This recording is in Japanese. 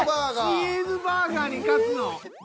チーズバーガーに勝つの？